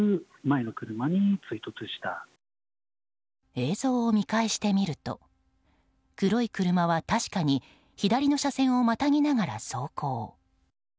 映像を見返してみると黒い車は確かに左の車線をまたぎながら走行。